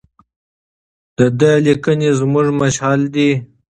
د ده لیکنې زموږ مشعل دي.